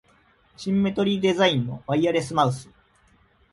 シンメトリーデザインのワイヤレスマウス